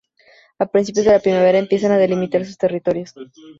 A principios de la primavera empiezan a delimitar sus territorios.